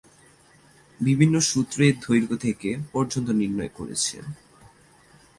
বিভিন্ন সূত্র এর দৈর্ঘ্য থেকে পর্যন্ত নির্ণয় করেছে।